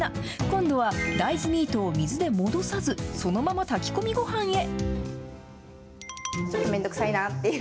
今度は大豆ミートを水で戻さず、そのまま炊き込みごはんへ。